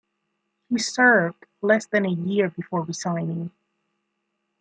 He served less than a year before resigning.